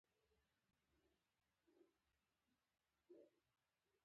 ځغاسته د سهار خوند زیاتوي